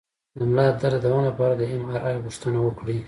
د ملا درد د دوام لپاره د ایم آر آی غوښتنه وکړئ